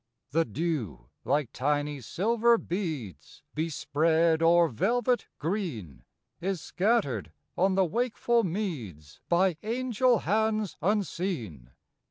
The dew, like tiny silver beads Bespread o'er velvet green, Is scattered on the wakeful meads By angel hands unseen.